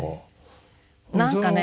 何かね